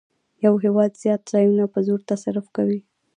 یو هېواد زیات ځایونه په زور تصرف کوي